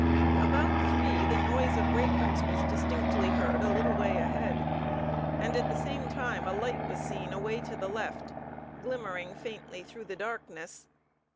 About three the noise of breakers was distinctly heard a little way ahead, and at the same time a light was seen away to the left, glimmering faintly through the darkness.